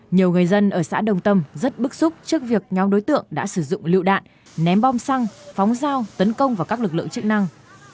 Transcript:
nhiều người dân ở xã đồng tâm rất bức xúc trước việc nhóm đối tượng đã sử dụng lựu đạn ném bom xăng phóng dao tấn công vào các lực lượng chức năng